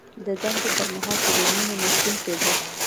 د دندې پر مهال په جرمونو محکوم کیدل.